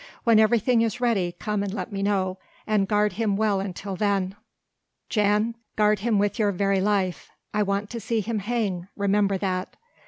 When everything is ready come and let me know, and guard him well until then, Jan, guard him with your very life; I want to see him hang, remember that!